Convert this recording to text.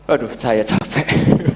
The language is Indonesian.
aduh saya capek